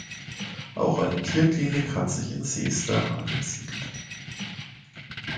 Auch eine Tierklinik hat sich in Seester angesiedelt.